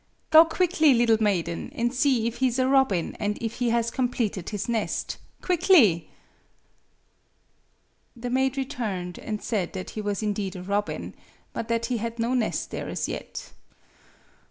Go quickly, little maiden, and see if he is a robin, and if he has completed his nest quickly." The maid returned, and said that he was indeed a robin, but that he had no nest there as yet.